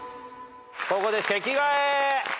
ここで席替え。